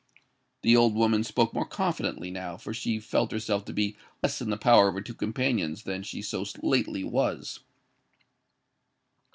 The old woman spoke more confidently now; for she felt herself to be less in the power of her two companions than she so lately was.